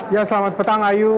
ya selamat petang ayu